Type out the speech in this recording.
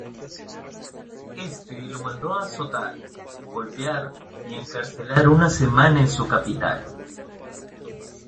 Éste lo mandó a azotar, golpear y encarcelar una semana en su capital.